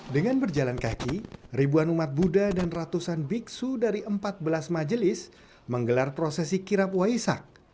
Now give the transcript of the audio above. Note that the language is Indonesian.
dengan berjalan kaki ribuan umat buddha dan ratusan biksu dari empat belas majelis menggelar prosesi kirap waisak